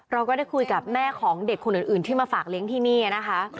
เราก็ได้คุยกับแม่ของเด็กคนอื่นที่มาฝากเลี้ยงที่นี่นะคะ